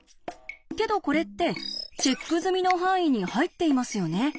けどこれってチェック済みの範囲に入っていますよね。